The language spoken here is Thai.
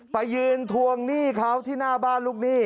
ไปยืนทวงหนี้เขาที่หน้าบ้านลูกหนี้